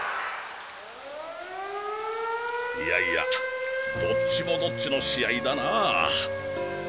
いやいやどっちもどっちの試合だなぁ。